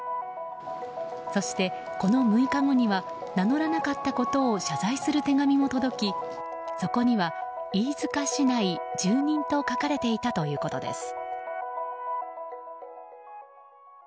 そして、この６日後には名乗らなかったことを謝罪する手紙も届き、そこには飯塚市内住人と書かれていたということです。